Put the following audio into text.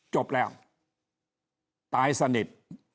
จบแล้วตายสนิท